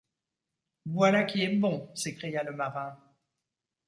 Voilà qui est bon! s’écria le marin.